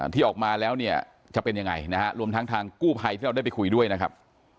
ที่ออกมาแล้วเนี่ยจะเป็นยังไงนะฮะรวมทั้งทางกู้ภัยที่เราได้ไปคุยด้วยนะครับ